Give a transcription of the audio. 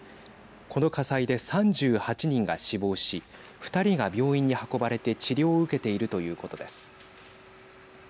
この火災で３８人が死亡し２人が病院に運ばれて治療を受けているということです。